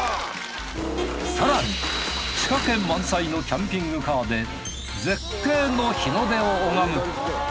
更に仕掛け満載のキャンピングカーで絶景の日の出を拝む。